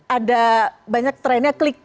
ada banyak trennya klik bait begitu ya